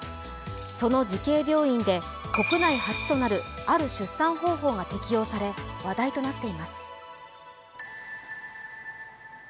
その慈恵病院で国内初となるある出産方法が適用され話題となっています。